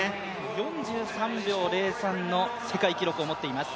４３秒０３の世界記録を持っています。